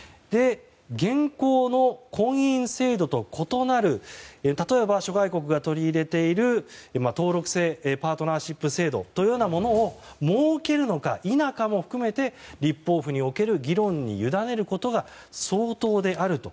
現行の婚姻制度と異なる例えば、諸外国が取り入れている登録制パートナーシップ制度といったものを設けるのか否かも含めて立法府における議論に委ねることが相当であると。